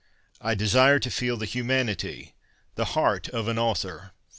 I desire to feel the humanity, the heart of an author.